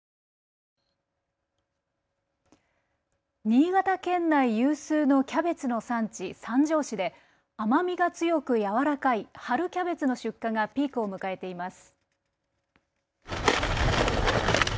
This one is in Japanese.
新潟県内有数のキャベツの産地、三条市で甘みが強く柔らかい春キャベツの出荷がピークを迎えています。